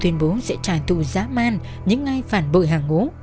tuyên bố sẽ trả thù giá man những ai phản bội hàng ngố